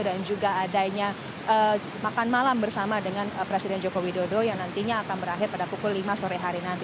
dan juga adanya makan malam bersama dengan presiden joko widodo yang nantinya akan berakhir pada pukul lima sore hari nanti